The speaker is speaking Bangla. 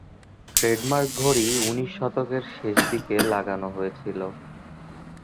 ট্রেডমার্ক ঘড়ি উনিশ শতকের শেষদিকে লাগানো হয়েছিল।